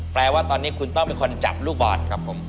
แปลว่าตอนนี้คุณต้องเป็นคนจับลูกบอลครับผม